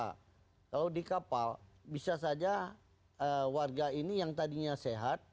kalau di kapal bisa saja warga ini yang tadinya sehat